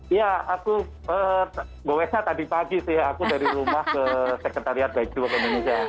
iya aku goesnya tadi pagi sih aku dari rumah ke sekretariat bike to work indonesia